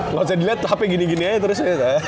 kalau saya dilihat hp gini gini aja terus